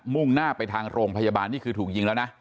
่งหน้าไปทางโรงพยาบาลนี่คือถูกยิงแล้วนะ